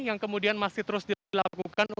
yang kemudian masih terus dilakukan